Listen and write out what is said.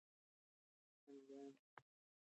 انلاین بانکداري اسانتیاوې لري.